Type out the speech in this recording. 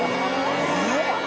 えっ！